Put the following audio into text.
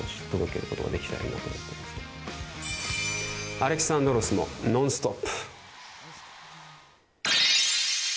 ［Ａｌｅｘａｎｄｒｏｓ］も「ノンストップ！」。